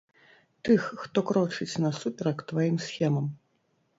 Тых, хто крочыць насуперак тваім схемам.